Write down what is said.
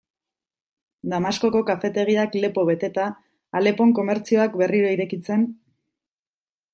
Damaskoko kafetegiak lepo beteta, Alepon komertzioak berriro irekitzen...